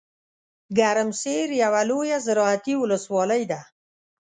ګرمسیر یوه لویه زراعتي ولسوالۍ ده .